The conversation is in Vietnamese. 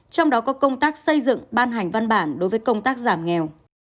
trong đó có công tác xây dựng ban hành văn bản đối với công tác giảm nghèo